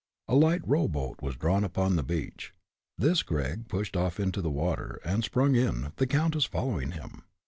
A light row boat was drawn upon the beach. This Gregg pushed off into the water, and sprung in, the countess following him.